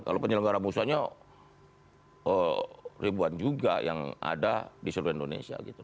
kalau penyelenggara musanya ribuan juga yang ada di seluruh indonesia gitu